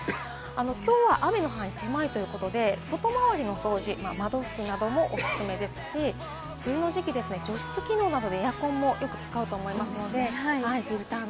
きょうは雨の範囲が狭いということで、外周りの掃除、窓付近などもおすすめですし、梅雨の時期、除湿機能などでエアコンもよく使うと思います。